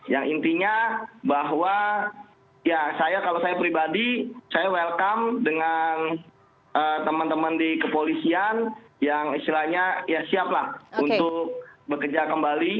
yang intinya bahwa ya saya kalau saya pribadi saya welcome dengan teman teman di kepolisian yang istilahnya ya siaplah untuk bekerja kembali